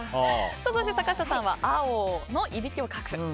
そして坂下さんは青のいびきをかく。